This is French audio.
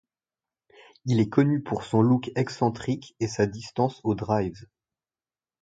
Il est connu pour son look excentrique et sa distance aux drives.